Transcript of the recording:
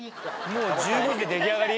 もう１５時で出来上がり？